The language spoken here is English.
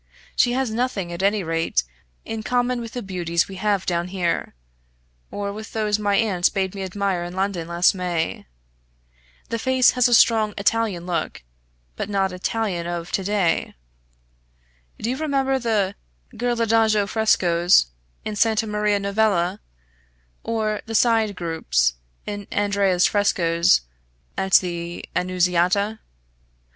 She has nothing, at any rate, in common with the beauties we have down here, or with those my aunt bade me admire in London last May. The face has a strong Italian look, but not Italian of to day. Do you remember the Ghirlandajo frescoes in Santa Maria Novella, or the side groups in Andrea's frescoes at the Annunziata?